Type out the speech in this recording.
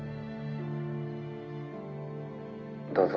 「どうぞ」。